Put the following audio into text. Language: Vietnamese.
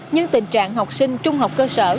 nhưng tình trạng học sinh trung học cơ sở